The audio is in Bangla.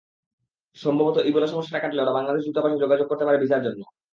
সম্ভবত ইবোলা সমস্যাটা কাটলে ওরা বাংলাদেশ দূতাবাসে যোগাযোগ করতে পারে ভিসার জন্য।